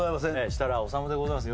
設楽統でございます